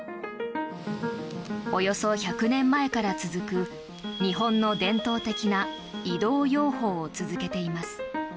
およそ１００年前から続く日本の伝統的な移動養蜂を続けています。